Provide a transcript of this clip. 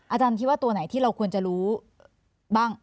อาจารย์คิดว่าตัวไหนที่เราควรจะรู้บ้าง